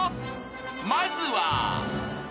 ［まずは］